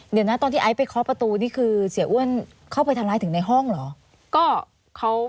เดี๋ยวนะตอนที่ไอซ์ไปเคาะประตูนี่คือเสียอ้วนเข้าไปทำร้ายถึงในห้องเหรอ